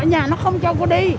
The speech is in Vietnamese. nhà nó không cho cô đi